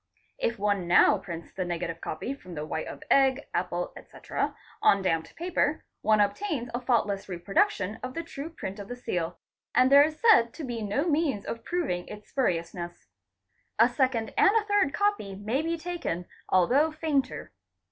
If one now prints the negative copy, from the white of egg, apple, etc., on damped paper, one obtains a faultless reproduction of the true print of the seal, and there is said to be no means of proving its spuriousness. A second and a third copy may be taken, although fainter.